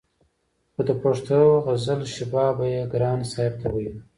خو د پښتو غزل شباب به يې ګران صاحب ته ويلو